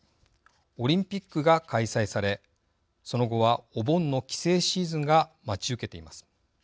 オリンピックが開催されその後は、お盆の帰省シーズンが待ち受けています。